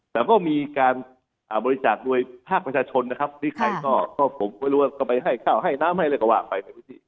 แต่ก็มีการบริจาคโดยภาคประชาชนนะครับที่ใครก็ผมไม่รู้ว่าก็ไปให้ข้าวให้น้ำให้อะไรก็ว่าไปในพื้นที่